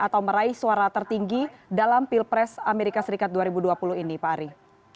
atau meraih suara tertinggi dalam pilpres amerika serikat dua ribu dua puluh ini pak ari